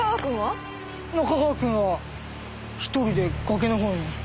仲川くんは１人で崖の方に。